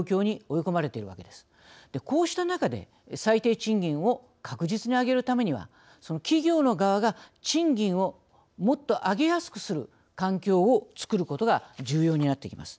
こうした中で最低賃金を確実に上げるためにはその企業の側が賃金をもっと上げやすくする環境を作ることが重要になってきます。